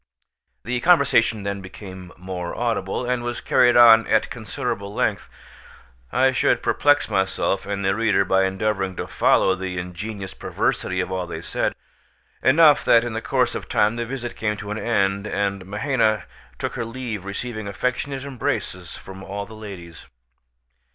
The conversation then became more audible, and was carried on at considerable length. I should perplex myself and the reader by endeavouring to follow the ingenious perversity of all they said; enough, that in the course of time the visit came to an end, and Mahaina took her leave receiving affectionate embraces from all the ladies.